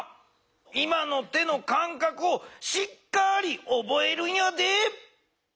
今の手のかんかくをしっかりおぼえるんやで。